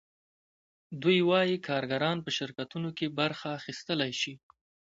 دوی وايي کارګران په شرکتونو کې برخه اخیستلی شي